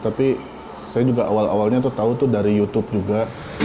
tapi saya juga awal awalnya tuh tahu tuh dari youtube juga